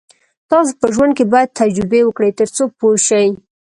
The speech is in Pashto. تاسو په ژوند کې باید تجربې وکړئ تر څو پوه شئ.